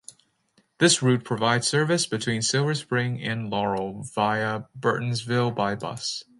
This route provides service between Silver Spring and Laurel via Burtonsville by bus.